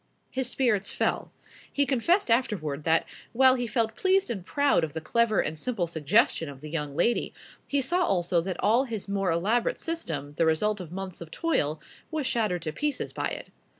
His spirits fell. He confessed afterward that, "while he felt pleased and proud of the clever and simple suggestion of the young lady, he saw also that all his more elaborate system, the result of months of toil, was shattered to pieces by it."